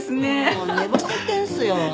もう寝ぼけてるんですよ。